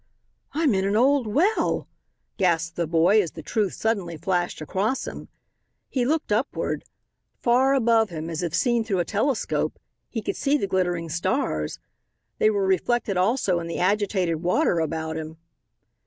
"I'm in an old well," gasped the boy as the truth suddenly flashed across him. He looked upward. Far above him, as if seen through a telescope, he could see the glittering stars. They were reflected, also, in the agitated water about him.